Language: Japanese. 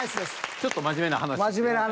ちょっと真面目な話。